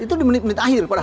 itu di menit menit akhir